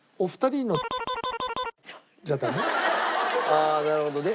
ああなるほどね。